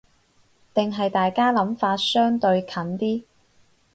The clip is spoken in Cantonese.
定係大家諗法相對近啲